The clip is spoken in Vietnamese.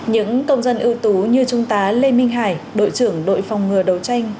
những công dân ưu tú như chúng ta lê minh hải đội trưởng đội phòng ngừa đấu tranh